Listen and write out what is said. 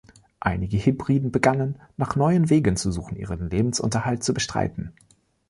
Einige Hebriden begannen, nach neuen Wegen zu suchen, ihren Lebensunterhalt zu bestreiten.